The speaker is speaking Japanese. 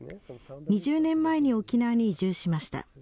２０年前に沖縄に移住しました。